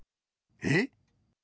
えっ。